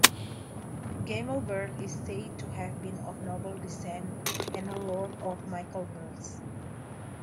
Gamelbert is said to have been of noble descent and a lord of Michaelsbuch.